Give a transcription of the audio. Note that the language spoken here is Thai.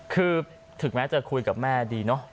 คือถึงแม้จะคุยกับแม่ดีเนอะ